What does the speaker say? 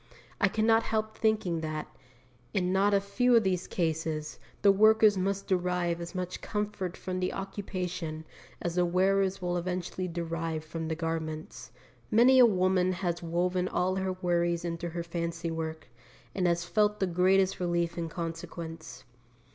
I could not help thinking that, in not a few of these cases, the workers must derive as much comfort from the occupation as the wearers will eventually derive from the garments. Many a woman has woven all her worries into her fancy work, and has felt the greatest relief in consequence.